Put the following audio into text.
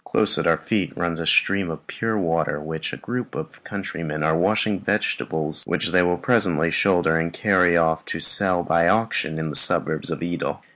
Close at our feet runs a stream of pure water, in which a group of countrymen are washing the vegetables which they will presently shoulder and carry off to sell by auction in the suburbs of Yedo.